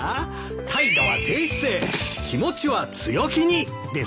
態度は低姿勢気持ちは強気にですよ。